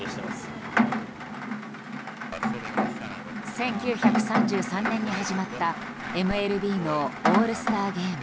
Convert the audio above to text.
１９３３年に始まったＭＬＢのオールスターゲーム。